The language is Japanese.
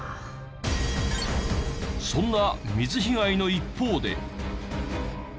そんな水被害の一方で。